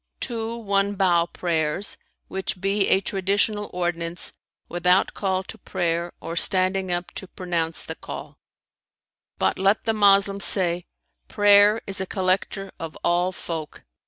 "Two one bow prayers, which be a traditional ordinance, without call to prayer or standing up to pronounce the call;[FN#318] but let the Moslem say, 'Prayer is a collector of all folk!'